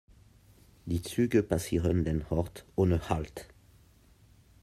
Die Züge passieren den Ort ohne Halt.